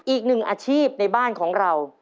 อีกหนึ่งอาชีพในบ้านของเรา